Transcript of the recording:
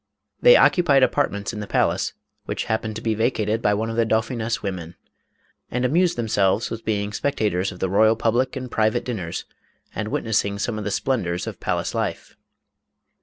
They occupied apartments in the palace, which happened to be vacated by one of the dauphiness' women, and amused themselves with being spectators of the royal public and private dinners, and witnessing some of the splendors of palace life.